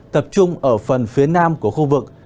tập trung ở phần phía nam của khu vực